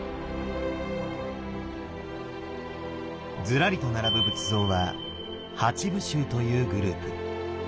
ずらりと並ぶ仏像は八部衆というグループ。